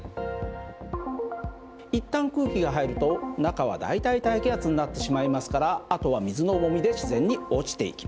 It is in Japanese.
一旦空気が入ると中は大体大気圧になってしまいますからあとは水の重みで自然に落ちていきます。